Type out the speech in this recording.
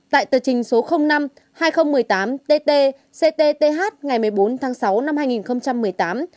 tại tờ trình số năm hai nghìn một mươi tám tt ctth ngày một mươi bốn tháng sáu năm hai nghìn một mươi tám